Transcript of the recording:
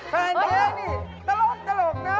ใครเจ๊นี่